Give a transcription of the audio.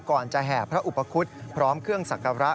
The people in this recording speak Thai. ก่อนจะแห่พระอุปคุฎพร้อมเครื่องสักการะ